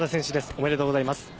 おめでとうございます。